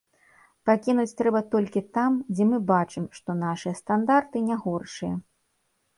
Пакінуць трэба толькі там, дзе мы бачым, што нашыя стандарты не горшыя.